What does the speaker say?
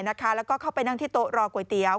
แล้วก็เข้าไปนั่งที่โต๊ะรอก๋วยเตี๋ยว